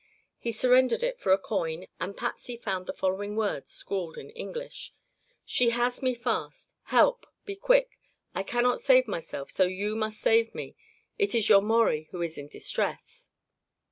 He surrendered it for a coin and Patsy found the following words scrawled in English: "She has me fast. Help! Be quick. I cannot save myself so you must save me. It is your Maurie who is in distress."